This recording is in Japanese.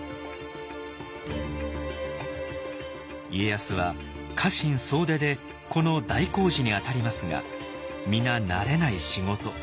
家康は家臣総出でこの大工事にあたりますが皆慣れない仕事。